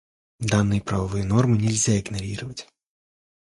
Данные правовые нормы нельзя игнорировать.